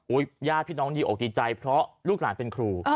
ญาติพี่น้องดีอกดีใจเพราะลูกหลานเป็นครู